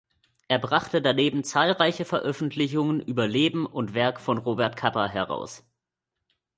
Er brachte daneben zahlreiche Veröffentlichungen über Leben und Werk von Robert Capa heraus.